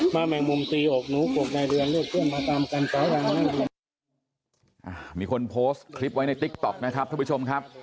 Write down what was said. มีคนโพสต์คลิปไว้ในติ๊กต๊อกนะครับทุกผู้ชมครับ